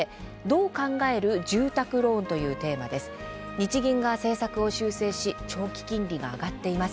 日銀が政策を修正し長期金利が上がっています。